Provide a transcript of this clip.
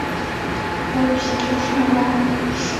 大多常规职业士兵属于阿萨德家族所属的阿拉维派。